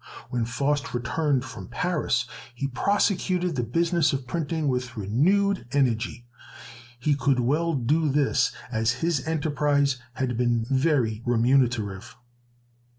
When Faust returned from Paris, he prosecuted the business of printing with renewed energy. He could well do this, as his enterprise had been very remunerative.